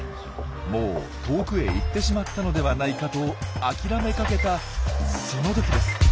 もう遠くへ行ってしまったのではないかと諦めかけたその時です。